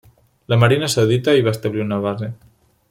La Marina saudita hi va establir una base.